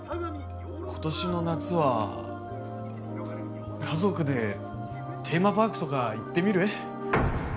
ことしの夏は家族でテーマパークとか行ってみる？